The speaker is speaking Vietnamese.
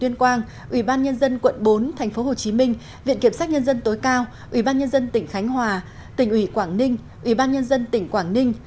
nhân dân tỉnh khánh hòa tỉnh ủy quảng ninh ủy ban nhân dân tỉnh quảng ninh